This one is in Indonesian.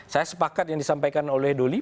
saya sepakat yang disampaikan oleh doli